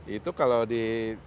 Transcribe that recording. itu kalau di